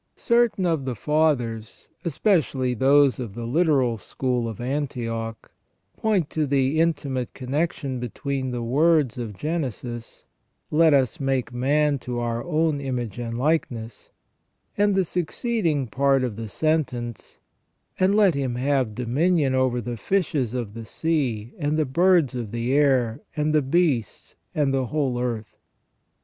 Certain of the Fathers, especially those of the literal school of Antioch, point to the intimate connection between the words of Genesis :" Let us make man to our own image and likeness," and the succeeding part of the sentence :" And let him have dominion over the fishes of the sea, and the birds of the air, and the beasts, and the whole earth".